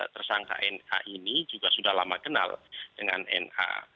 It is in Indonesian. tersangka na ini juga sudah lama kenal dengan na